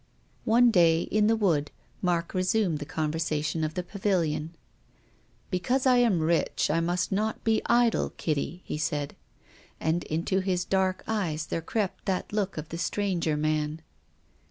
One day, in the wood, Mark resumed the conversation of the Pavilion. " Because I am rich I must not be idle, Kitty," he said. And into his dark eyes there crept that look of the stranger man.